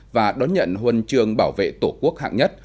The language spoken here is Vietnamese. và đón nhận huân trường bảo vệ tổ quốc hạng nhất